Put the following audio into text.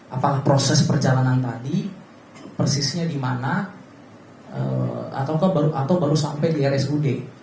apalah proses perjalanan tadi persisnya dimana atau baru sampai di rsud